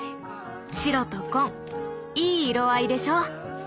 白と紺いい色合いでしょ。